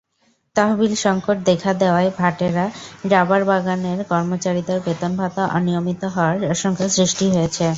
তহবিলসংকট দেখা দেওয়ায় ভাটেরা রাবারবাগানের কর্মচারীদের বেতন-ভাতা অনিয়মিত হওয়ার আশঙ্কা সৃষ্টি হয়েছে।